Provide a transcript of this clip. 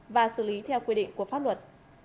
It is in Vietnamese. và xử lý theo quy định của pháp luật